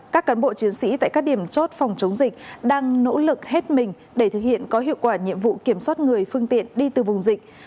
các cán bộ chiến sĩ tại các điểm chốt phòng chống dịch đang nỗ lực hết mình để thực hiện có hiệu quả nhiệm vụ kiểm soát người phương tiện đi từ vùng dịch